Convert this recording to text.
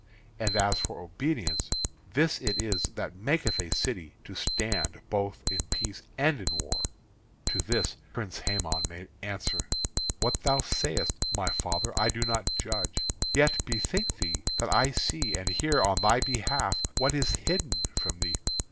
And as for obedience, this it is that maketh a city to stand both in peace and in war." To this the Prince Hæmon made answer: "What thou sayest, my father, I do not judge. Yet bethink thee, that I see and hear on thy behalf what is hidden from thee.